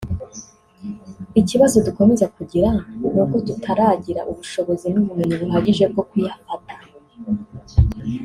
ikibazo dukomeza kugira ni uko tutaragira ubushobozi n’ubumenyi buhagije bwo kuyafata